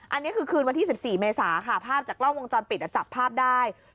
อันนี้คือคืนวันที่๑๔เมษาค่ะภาพจากกล้องวงจรปิดจับภาพได้